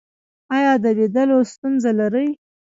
ایا د لیدلو ستونزه لرئ؟